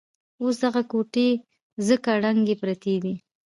اوس دغه کوټې ځکه ړنګې پرتې دي.